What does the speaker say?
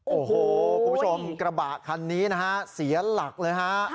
โอ้โหคุณผู้ชมกระบะคันนี้นะฮะเสียหลักเลยฮะ